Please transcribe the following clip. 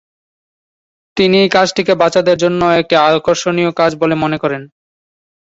তিনি এই কাজটিকে বাচ্চাদের জন্য একটি আকর্ষণীয় কাজ বলে মনে করেন।